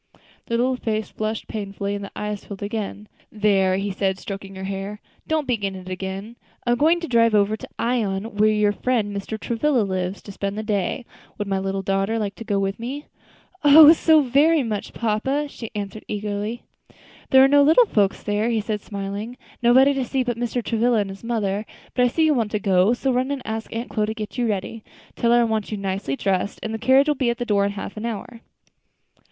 The little face flushed painfully, and the eyes filled again. "There," he said, stroking her hair, "don't begin it again. I am going to drive over to Ion, where your friend Mr. Travilla lives, to spend the day; would my little daughter like to go with me?" "Oh! so very much, papa!" she answered eagerly. "There are no little folks there," he said smiling, "nobody to see but Mr. Travilla and his mother. But I see you want to go; so run and ask Aunt Chloe to get you ready. Tell her I want you nicely dressed, and the carriage will be at the door in half an hour."